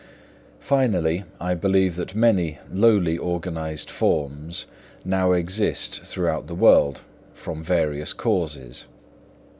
Finally, I believe that many lowly organised forms now exist throughout the world, from various causes.